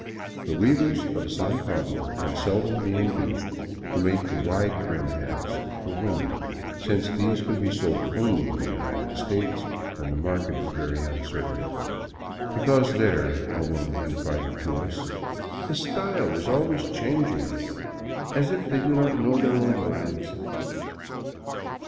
The weavers of San Pablo can seldom be induced to make the wide brimmed hats for women, since these can be sold only in the United States and the market is very uncertain, " because there," a woman confided to us, " the style is always changing, as if they do not know their own minds."